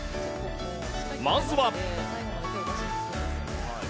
まずは。